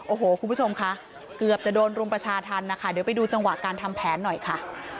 โอ้โหคุณผู้ชมค่ะเกือบจะโดนรุมประชาธรรมนะคะเดี๋ยวไปดูจังหวะการทำแผนหน่อยค่ะ